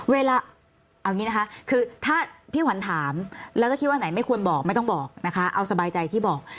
เวลาเอาอย่างนี้นะคะคือถ้าพี่ขวัญถามแล้วก็คิดว่าไหนไม่ควรบอกไม่ต้องบอกนะคะเอาสบายใจที่บอก